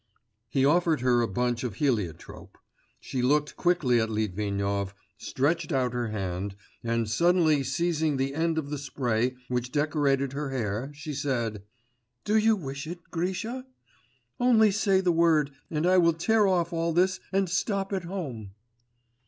He offered her a bunch of heliotrope. She looked quickly at Litvinov, stretched out her hand, and suddenly seizing the end of the spray which decorated her hair, she said: 'Do you wish it, Grisha? Only say the word, and I will tear off all this, and stop at home.